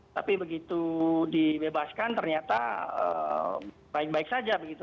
tapi begitu dibebaskan ternyata baik baik saja begitu